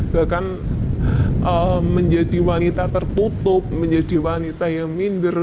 bahkan menjadi wanita tertutup menjadi wanita yang minder